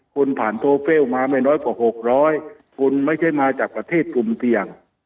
คุณผ่านโทเฟลมาไม่น้อยกว่า๖๐๐คุณไม่ใช่มาจากประเทศกลุ่มเสี่ยง